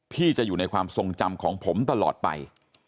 พี่จะอยู่ในความทรงจำของผมตลอดไป